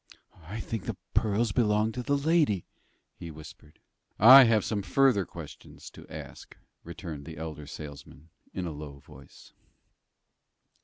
"I think the pearls belong to the lady," he whispered. "I have some further questions to ask," returned the elder salesman, in a low voice.